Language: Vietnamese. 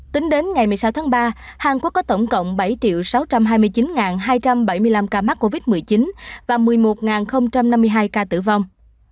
tính đến ngày một mươi sáu tháng ba hàn quốc có tổng cộng bảy sáu trăm hai mươi chín hai trăm bảy mươi năm ca mắc covid một mươi chín và một mươi một năm mươi hai ca tử vong